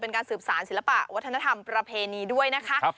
การสืบสารศิลปะวัฒนธรรมประเพณีด้วยนะคะ